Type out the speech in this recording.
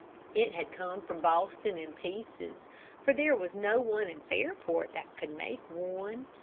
It had come from Boston in pieces, for there was no one in Fairport that could make one.